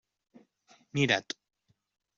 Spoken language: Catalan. Mira't.